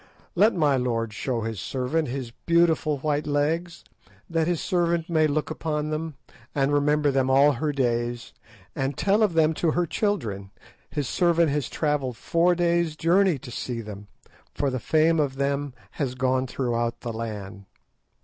"Let my lord show his servant his beautiful white legs, that his servant may look upon them, and remember them all her days, and tell of them to her children; his servant has travelled four days' journey to see them, for the fame of them has gone throughout the land."